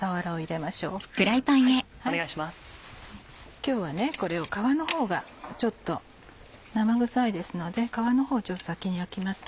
今日はこれを皮のほうがちょっと生臭いですので皮のほうを先に焼きますね。